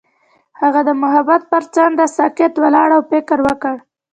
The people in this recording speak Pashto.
هغه د محبت پر څنډه ساکت ولاړ او فکر وکړ.